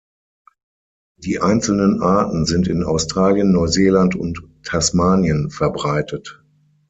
Die einzelnen Arten sind in Australien, Neuseeland und Tasmanien verbreitet.